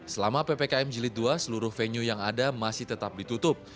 selama ppkm jilid dua seluruh venue yang ada masih tetap ditutup